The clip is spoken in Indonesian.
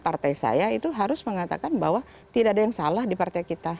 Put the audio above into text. partai saya itu harus mengatakan bahwa tidak ada yang salah di partai kita